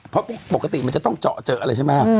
เพราะปกติมันจะต้องเจาะเจออะไรใช่ไหม